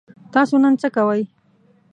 تاسو نن څه کوئ؟